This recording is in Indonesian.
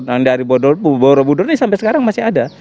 nah dari borobudur ini sampai sekarang masih ada